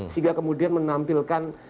sehingga kemudian menampilkan